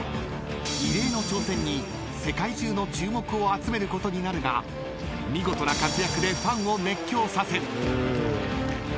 ［異例の挑戦に世界中の注目を集めることになるが見事な活躍でファンを熱狂させる］